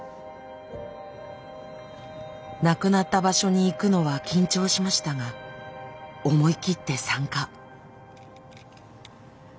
亡くなった場所に行くのは緊張しましたが思い切って参加。